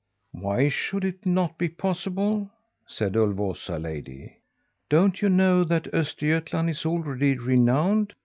"'Why should it not be possible?' said Ulvåsa lady. 'Don't you know that Östergötland is already renowned?